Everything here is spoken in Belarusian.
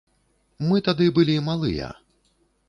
Мы тады былі малыя.